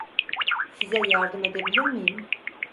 Size yardım edebilir miyim?